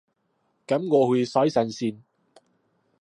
噉我去洗身先